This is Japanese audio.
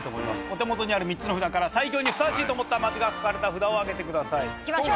お手元にある３つの札から最強にふさわしいと思った街が書かれた札を上げてください。